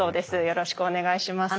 よろしくお願いします。